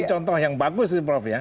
jadi contoh yang bagus sih prof ya